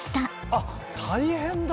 あっ大変だ。